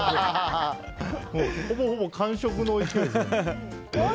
ほぼほぼ完食の勢い。